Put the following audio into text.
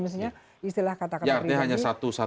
artinya hanya satu orang